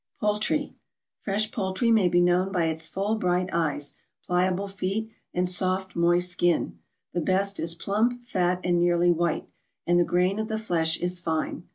=Poultry.= Fresh poultry may be known by its full bright eyes, pliable feet, and soft moist skin; the best is plump, fat, and nearly white, and the grain of the flesh is fine.